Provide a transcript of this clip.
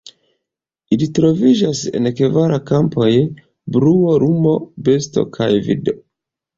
Ili troviĝas en kvar kampoj: bruo, lumo, bestoj kaj vido.